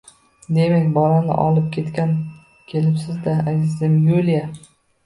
Demak, bolani olib ketgani kelibsiz-da, azizam Yuliya?!